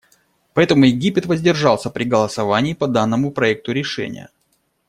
Поэтому Египет воздержался при голосовании по данному проекту решения.